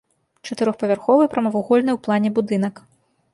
Чатырохпавярховы, прамавугольны ў плане будынак.